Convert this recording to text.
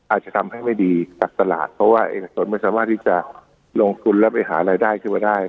อาจจะทำให้ไม่ดีกับตลาดเพราะว่าเอกชนไม่สามารถที่จะลงทุนแล้วไปหารายได้ขึ้นมาได้